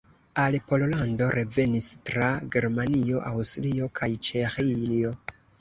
Al Pollando revenis tra Germanio, Aŭstrio kaj Ĉeĥio.